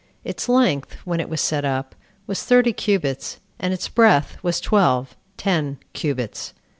Its length, when it was set up, was thirty cubits, and its breadth was twelve [ten] cubits.